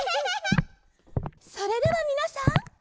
それではみなさん